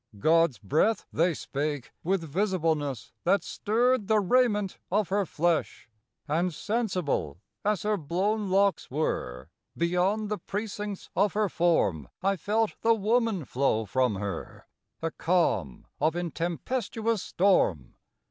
God's breath they spake, with visibleness That stirred the raiment of her flesh: And sensible, as her blown locks were, Beyond the precincts of her form I felt the woman flow from her A calm of intempestuous storm.